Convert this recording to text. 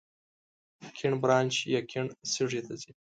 کیڼ برانش یې کیڼ سږي ته ځي.